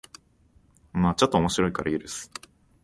ちょっと面白いから許す